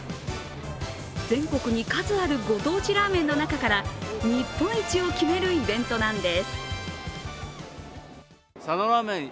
全国に数あるご当地ラーメンの中から日本一を決めるイベントなんです。